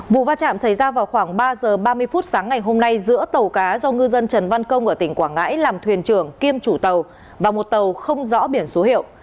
vụ va chạm xảy ra vào khoảng ba giờ ba mươi phút sáng ngày hôm nay giữa tàu cá do ngư dân trần văn công ở tỉnh quảng ngãi làm thuyền trưởng kiêm chủ tàu và một tàu không rõ biển số hiệu